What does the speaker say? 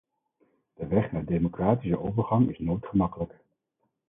De weg naar democratische overgang is nooit gemakkelijk.